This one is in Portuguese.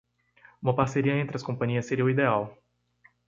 Uma parceria entre as companias seria o ideal.